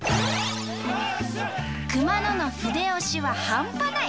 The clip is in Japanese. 熊野の筆推しはハンパない！